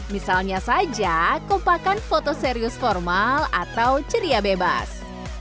misalnya saja kompakan foto serius formal atau ceria bebas